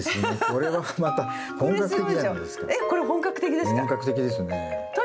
これ本格的ですか？